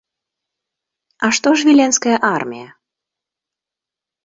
А што ж віленская армія?